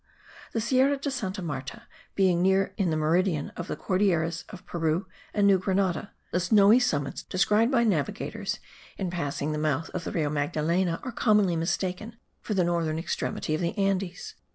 The Sierra de Santa Marta being nearly in the meridian of the Cordilleras of Peru and New Grenada, the snowy summits descried by navigators in passing the mouth of the Rio Magdalena are commonly mistaken for the northern extremity of the Andes.